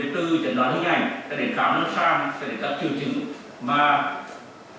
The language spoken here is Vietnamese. từ chẩn đoán hình ảnh đến khám lâm sàng đến các triều trữ